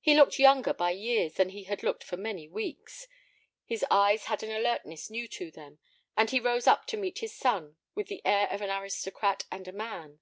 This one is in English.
He looked younger by years than he had looked for many weeks. His eyes had an alertness new to them, and he rose up to meet his son with the air of an aristocrat and a man.